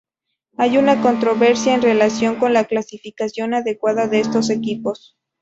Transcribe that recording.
Hay una controversia en relación con la clasificación adecuada de estos equipos.